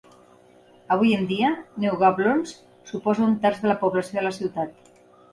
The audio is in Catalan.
Avui en dia, Neugablonz suposa un terç de la població de la ciutat.